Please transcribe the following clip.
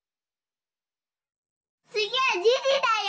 つぎはじじだよ。